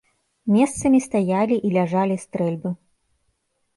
Месцамі стаялі і ляжалі стрэльбы.